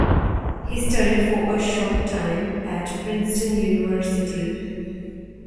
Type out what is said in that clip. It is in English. He studied for a short time at Princeton University.